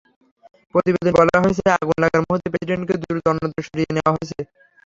প্রতিবেদনে বলা হয়েছে, আগুন লাগার মুহূর্তে প্রেসিডেন্টকে দ্রুত অন্যত্র সরিয়ে নেওয়া হয়েছে।